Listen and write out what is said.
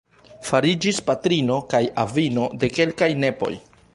Fariĝis patrino kaj avino de kelkaj nepoj.